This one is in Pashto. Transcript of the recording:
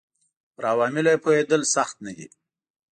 پر عواملو یې پوهېدل سخت نه دي